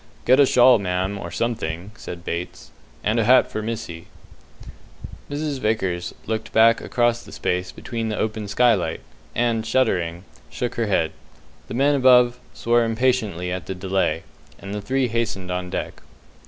"Get a shawl, ma'am, or something," says Bates, "and a hat for missy." Mrs. Vickers looked back across the space beneath the open skylight, and shuddering, shook her head. The men above swore impatiently at the delay, and the three hastened on deck.